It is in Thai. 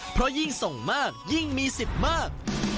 เพราะยิ่งส่งมากยิ่งมีสิทธิ์มาก